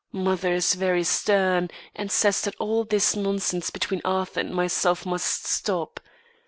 Mother is very stern and says that all this nonsense between Arthur and myself must stop.